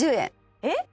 えっ！？